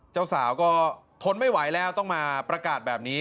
เจ้าสาวก็ทนไม่ไหวแล้วต้องมาประกาศแบบนี้